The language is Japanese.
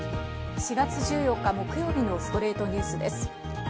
４月１４日、木曜日の『ストレイトニュース』です。